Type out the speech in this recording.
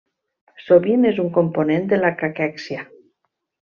Sovint és un component de la caquèxia.